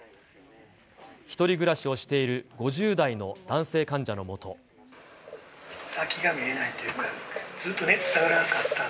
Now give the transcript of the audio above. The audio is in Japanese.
１人暮らしをしている５０代先が見えないというか。